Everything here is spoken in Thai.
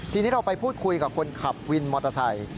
ทีนี้เราไปพูดคุยกับคนขับวินมอเตอร์ไซค์